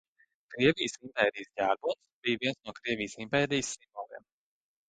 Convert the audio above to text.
Krievijas Impērijas ģerbonis bija viens no Krievijas Impērijas simboliem.